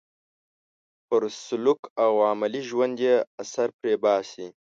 پر سلوک او عملي ژوند یې اثر پرې باسي.